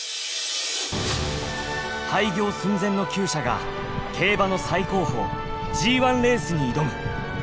廃業寸前のきゅう舎が競馬の最高峰ＧⅠレースに挑む！